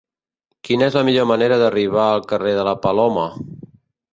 Quina és la millor manera d'arribar al carrer de la Paloma?